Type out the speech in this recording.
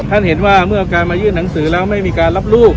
ท่านเห็นว่าเมื่อการมายื่นหนังสือแล้วไม่มีการรับลูก